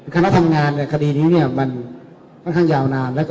คณะทำงานคดีนี้มันค่อนข้างยาวนาน